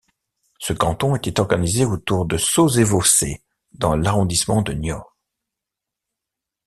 Ce canton était organisé autour de Sauzé-Vaussais dans l'arrondissement de Niort.